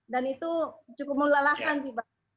dan itu cukup melalahkan sih pak